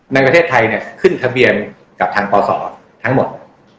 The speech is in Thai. ในประเทศไทยเนี่ยขึ้นทะเบียนกับทางปศทั้งหมด